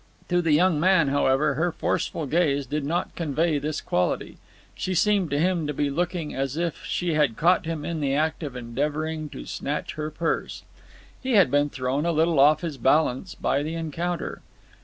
To the young man, however, her forceful gaze did not convey this quality. She seemed to him to be looking as if she had caught him in the act of endeavouring to snatch her purse. He had been thrown a little off his balance by the encounter.